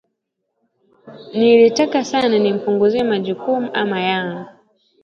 Nilitaka sana nimpunguzie majukumu amu yangu